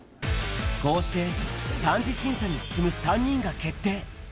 こうして３次審査に進む３人が決定。